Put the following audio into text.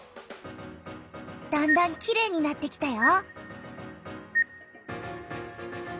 だんだんきれいになってきたよ！